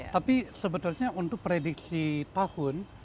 tapi sebetulnya untuk prediksi tahun